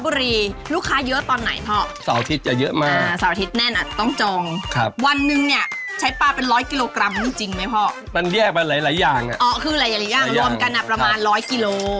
อ้อคือหลายอย่างรวมกันได้ประมาณ๑๐๐กิโล